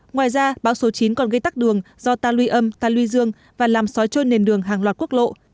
ngoài ra bão số chín còn gây tắc đường do ta luy âm ta luy dương và làm sói trôi nền đường hàng loạt quốc lộ